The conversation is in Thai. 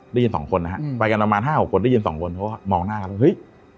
ได้ยินสองคนนะฮะไปกันประมาณ๕๖คนได้ยินสองคนเพราะว่ามองหน้ากันแล้วเฮ้ย